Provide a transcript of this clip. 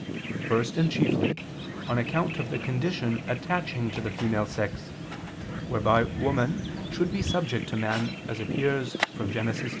First and chiefly, on account of the condition attaching to the female sex, whereby woman should be subject to man, as appears from Gen. 3:16.